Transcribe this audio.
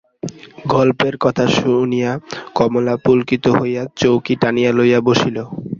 গল্পের কথা শুনিয়া কমলা পুলকিত হইয়া চৌকি টানিয়া লইয়া বসিল।